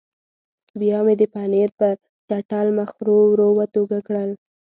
بیا مې د پنیر پر چټل مخ ورو ورو ورتوږه کړل.